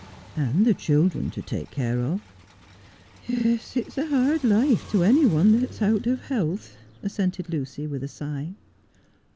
' And the children to take care of ——'' Yes, it is a hard life to any one that'u out of health,' assented Lucy with a sigh.